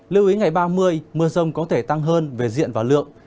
lưu ý ngày ba mươi mưa sông có thể tăng hơn về diện và lượng